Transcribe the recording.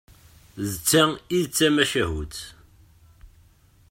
D ta i d-tamacahut.